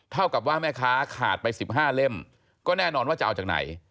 เท่ากับว่าแม่ค้าขาดไป๑๕เล่มก็แน่นอนว่าจะเอาจากไหน